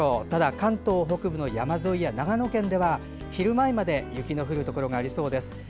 ただ、関東北部の山沿いや長野県では昼前まで雪の降るところがありそうです。